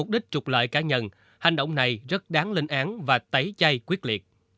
bởi cá nhân hành động này rất đáng linh án và tẩy chay quyết liệt